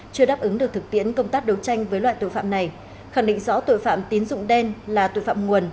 chưa đáp ứng được thực tiễn công tác đấu tranh với loại tội phạm này khẳng định rõ tội phạm tín dụng đen là tội phạm nguồn